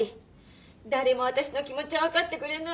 誰もあたしの気持ちは分かってくれない。